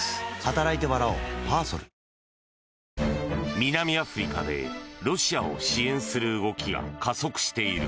南アフリカでロシアを支援する動きが加速している。